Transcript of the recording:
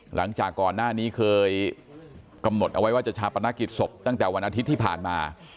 หลังจากก่อนหน้านี้เคยกำหนดเอาไว้ว่าจะชาปนกิจศพตั้งแต่วันอาทิตย์ที่ผ่านมา